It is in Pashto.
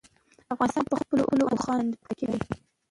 افغانستان په خپلو اوښانو باندې پوره تکیه لري.